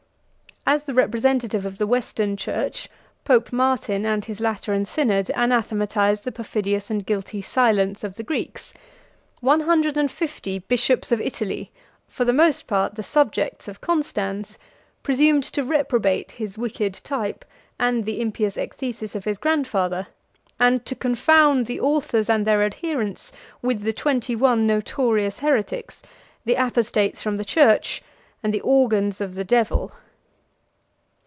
As the representative of the Western church, Pope Martin and his Lateran synod anathematized the perfidious and guilty silence of the Greeks: one hundred and five bishops of Italy, for the most part the subjects of Constans, presumed to reprobate his wicked type, and the impious ecthesis of his grandfather; and to confound the authors and their adherents with the twenty one notorious heretics, the apostates from the church, and the organs of the devil.